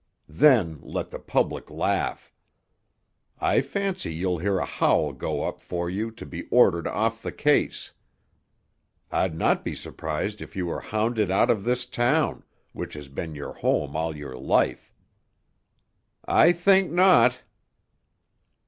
Then let the public laugh! I fancy you'll hear a howl go up for you to be ordered off the case. I'd not be surprised if you were hounded out of this town, which has been your home all your life." "I think not."